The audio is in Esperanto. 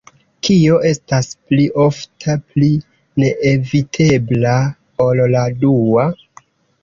Kio estas pli ofta, pli neevitebla ol la dua?